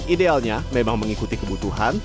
idealnya memang mengikuti kebutuhan